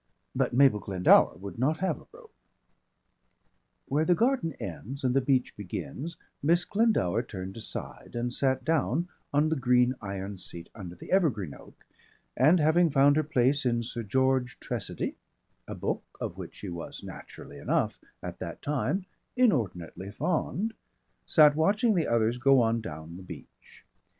But Mabel Glendower would not have a rope.) Where the garden ends and the beach begins Miss Glendower turned aside and sat down on the green iron seat under the evergreen oak, and having found her place in "Sir George Tressady" a book of which she was naturally enough at that time inordinately fond sat watching the others go on down the beach.